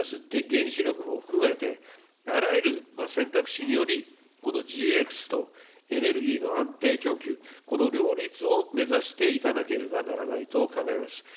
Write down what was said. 原子力も含めて、あらゆる選択肢により、このＧＸとエネルギーの安定供給、この両立を目指していかなければならないと考えます。